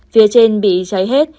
phía trên bị cháy hết